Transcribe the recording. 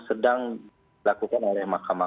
sedang dilakukan oleh makamu